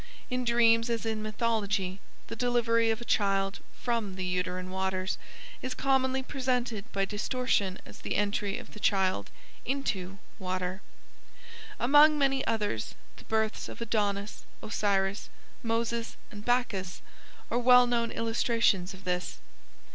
In dreams as in mythology, the delivery of a child from the uterine waters is commonly presented by distortion as the entry of the child into water; among many others, the births of Adonis, Osiris, Moses, and Bacchus are well known illustrations of this.